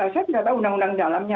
saya tidak tahu undang undang dalamnya